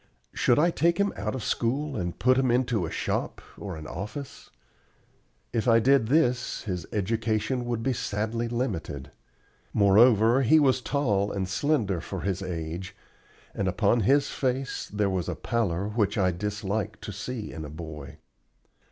Should I take him out of school and put him into a shop or an office? If I did this his education would be sadly limited. Moreover he was tall and slender for his age, and upon his face there was a pallor which I dislike to see in a boy.